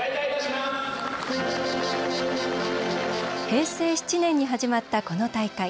平成７年に始まったこの大会。